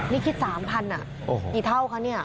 นี่คิด๓๐๐กี่เท่าคะเนี่ย